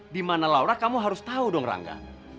dimana laura kamu harus tahu dong rangga